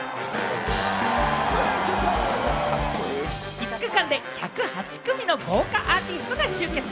５日間で１０８組の豪華アーティストが集結。